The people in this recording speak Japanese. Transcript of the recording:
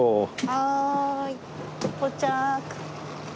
はーい。到着。